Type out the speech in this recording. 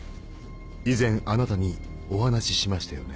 以前あなたにお話ししましたよね